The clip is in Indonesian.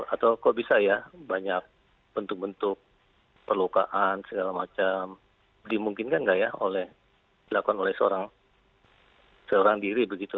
atau kok bisa ya banyak bentuk bentuk perlukaan segala macam dimungkinkan nggak ya oleh dilakukan oleh seorang diri begitu